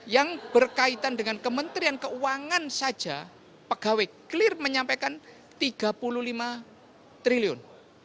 yang berkaitan dengan kementerian keuangan saja pegawai clear menyampaikan tiga puluh lima triliun